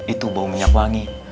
itu bau minyak wangi